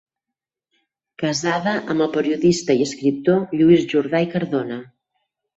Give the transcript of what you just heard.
Casada amb el periodista i escriptor Lluís Jordà i Cardona.